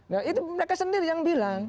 nah itu mereka sendiri yang bilang